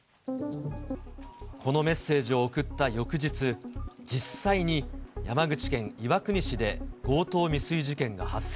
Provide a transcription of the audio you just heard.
このメッセージを送った翌日、実際に山口県岩国市で、強盗未遂事件が発生。